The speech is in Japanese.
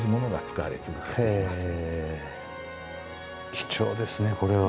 貴重ですねこれは。